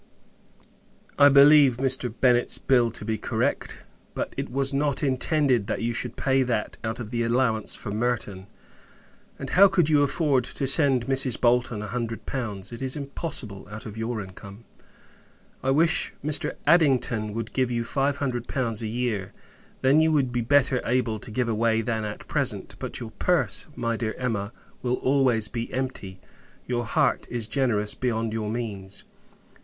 I believe Mr. Bennett's bill to be correct; but, it was not intended you should pay that out of the allowance for Merton; and, how could you afford to send Mrs. Bolton a hundred pounds. It is impossible, out of your income. I wish Mr. Addington would give you five hundred pounds a year; then, you would be better able to give away than at present. But your purse, my dear Emma, will always be empty; your heart is generous beyond your means.